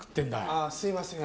ああすいません。